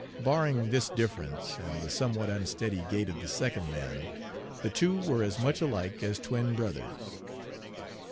Barring this difference, and the somewhat unsteady gait of the second man, the two were as much alike as twin brothers.